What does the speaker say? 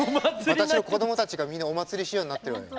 私の子供たちがみんなお祭り仕様になってるわよ。